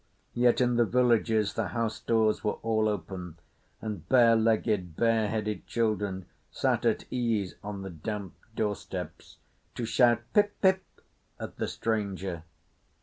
Yet in the villages the house doors were all open, and bare legged, bare headed children sat at ease on the damp doorsteps to shout "pip pip" at the stranger.